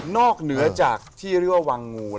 เหนือจากที่เรียกว่าวังงู